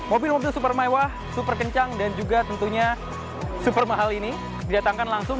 mobil mobil super mewah super kencang dan juga tentunya super mahal ini didatangkan langsung